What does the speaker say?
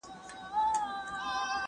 تاسو په کوم ځای کي څېړنه کوئ؟